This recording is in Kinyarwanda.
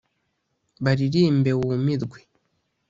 baririmbe wumirwe,